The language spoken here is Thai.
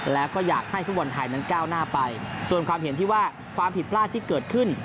แล้วก็อยากให้ฟุตบอลไทยนั้นก้าวหน้าไปส่วนความเห็นที่ว่าความผิดพลาดที่เกิดขึ้น